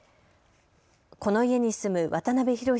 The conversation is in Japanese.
この家に住む渡邊宏